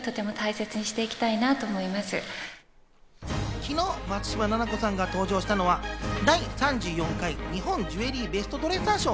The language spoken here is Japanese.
昨日、松嶋菜々子さんが登場したのは第３４回日本ジュエリーベストドレッサー賞。